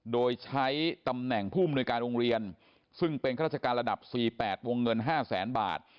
โดยใช้ตำแหน่งผู้มนุยการโรงเรียนซึ่งเป็นข้าราชการระดับ๔๘วงเงิน๕แสนบาท